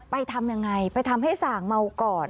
ไปทำอย่างไรไปทำให้สางเมาก่อน